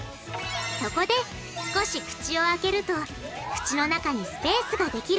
そこで少し口を開けると口の中にスペースができる。